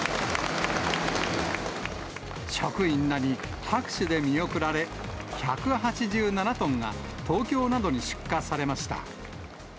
職員らに拍手で見送られ、１８７トンが東京などに出荷されました。